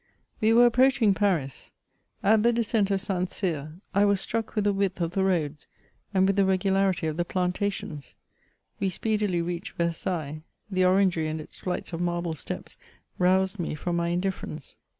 We were approaching Paris. At the descent of St. Cyr, I was stmck with the width of the roads, and with the regu larity of the plantations. We speedily reached Versailles; the orangery and its flights of marble steps, roused me from my indifference.